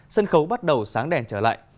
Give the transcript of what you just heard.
sân khấu bắt đầu sáng đèn trở lại